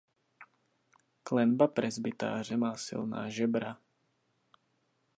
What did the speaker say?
Klenba presbytáře má silná žebra.